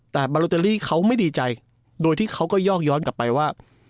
แต่บาโลเตอรี่เขาไม่ดีใจโดยที่เขาก็ยอกย้อนกลับไปว่า